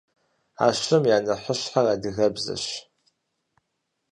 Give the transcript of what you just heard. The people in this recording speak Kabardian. А щым я нэхъыщхьэр адыгэбзэрщ.